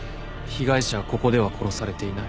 被害者はここでは殺されていない。